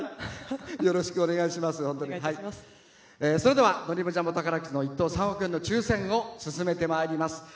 それではドリームジャンボ宝くじの１等３億円の抽せんを進めてまいります。